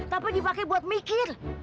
tanpa dipakai buat mikir